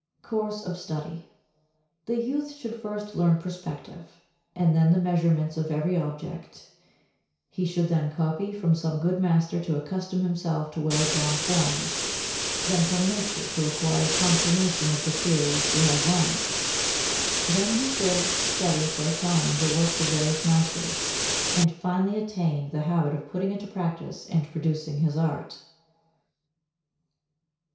[Sidenote: Course of Study] 55. The youth should first learn perspective, and then the measurements of every object; he should then copy from some good master to accustom himself to well drawn forms, then from nature to acquire confirmation of the theories he has learnt; then he should study for a time the works of various masters, and finally attain the habit of putting into practice and producing his art.